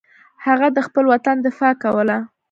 هغه د خپل وطن دفاع کوله.